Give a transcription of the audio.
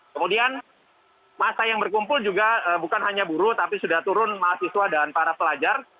kemudian masa yang berkumpul juga bukan hanya buruh tapi sudah turun mahasiswa dan para pelajar